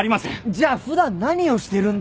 じゃあ普段何をしてるんだよ。